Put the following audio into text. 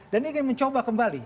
dan ingin mencoba kembali